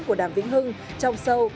của đàm vĩnh hưng trong show